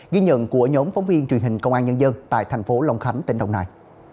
ghi nhận của nhóm phóng viên truyền hình công an nhân dân tại thành phố long khánh tỉnh đồng nai